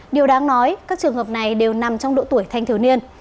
điều đáng nói các trường hợp này đều nằm trong độ tuổi thanh thiếu niên